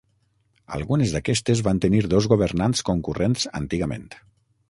Algunes d'aquestes van tenir dos governants concurrents antigament.